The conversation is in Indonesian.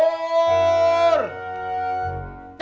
yaudah ma apa ajaan ya